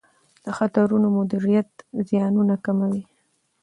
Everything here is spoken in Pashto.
د خطرونو مدیریت زیانونه کموي.